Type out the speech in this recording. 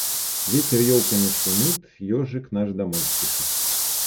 Ветер елками шумит, ежик наш домой спешит.